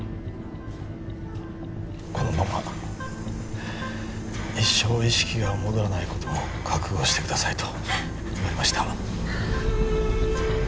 このまま一生意識が戻らないことも覚悟してくださいと言われました